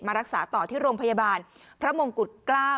รักษาต่อที่โรงพยาบาลพระมงกุฎเกล้า